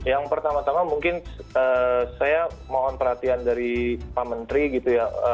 yang pertama tama mungkin saya mohon perhatian dari pak menteri gitu ya